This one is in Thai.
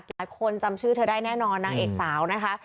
จำชื่อเธอได้แน่นอนนางเอกสาวนะคะ